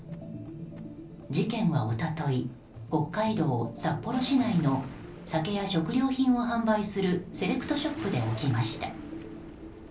事件は一昨日、北海道札幌市内の酒や食料品を販売するセレクトショップで起きました。